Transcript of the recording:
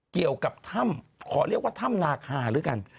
เกี่ยวกับถ้ำขอเรียกว่าถ้ำนาคาด้วยกัน